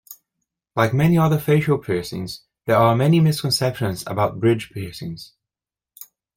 Like many other facial piercings, there are many misconceptions about bridge piercings.